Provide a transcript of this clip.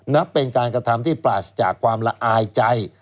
นับเป็นการกระทำที่ปราศจากความละอายใจ